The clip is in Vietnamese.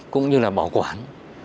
cũng như là bảo quản